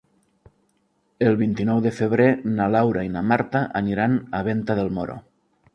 El vint-i-nou de febrer na Laura i na Marta aniran a Venta del Moro.